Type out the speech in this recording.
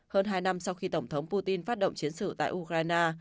hơn hai năm sau khi tổng thống putin phát động chiến sự tại ukraine